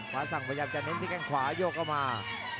ภาษังประยับจะเน้นที่แก่งขวาโยกกลับมา